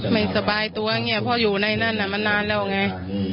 ไม่สบายตัวเพราะอยู่ในนั้นมันนานแล้วไง